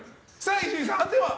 伊集院さん、判定は？